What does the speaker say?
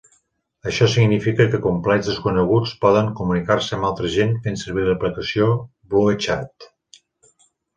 Això significa que complets desconeguts poden comunicar-se amb altra gent fent servir l'aplicació BlueChat.